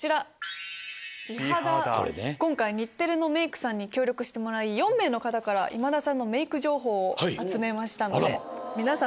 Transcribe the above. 今回日テレのメイクさんに協力してもらい４名から今田さんのメイク情報を集めました。